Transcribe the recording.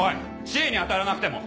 知恵に当たらなくても。